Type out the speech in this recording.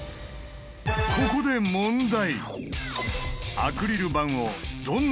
ここで問題。